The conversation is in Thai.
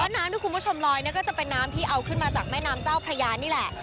น้ำที่คุณผู้ชมลอยเนี่ยก็จะเป็นน้ำที่เอาขึ้นมาจากแม่น้ำเจ้าพระยานี่แหละ